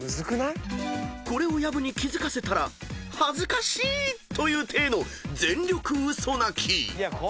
［これを薮に気付かせたら「恥ずかしい」という体の全力嘘泣き］